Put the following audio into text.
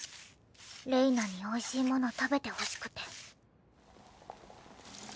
れいなにおいしいもの食べてほしくて。